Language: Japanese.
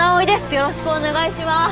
よろしくお願いします。